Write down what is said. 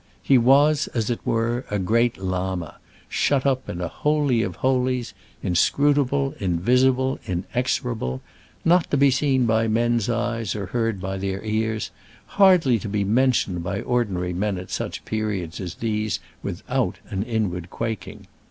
He was, as it were, a great Llama, shut up in a holy of holies, inscrutable, invisible, inexorable, not to be seen by men's eyes or heard by their ears, hardly to be mentioned by ordinary men at such periods as these without an inward quaking.